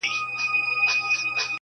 خپلي خبري خو نو نه پرې کوی.